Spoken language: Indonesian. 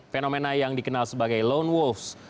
fenomena yang dikenal sebagai lone wolf